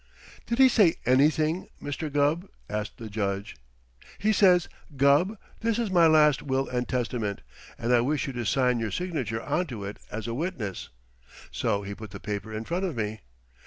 "Did he say anything, Mr. Gubb?" asked the Judge. "He says, 'Gubb, this is my last will and testament, and I wish you to sign your signature onto it as a witness.' So he put the paper in front of me.